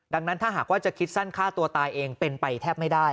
ดังนั้นถ้าหากว่าจะคิดสั้นฆ่าตัวตายเองเป็นไปแทบไม่ได้